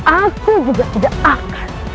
aku juga tidak akan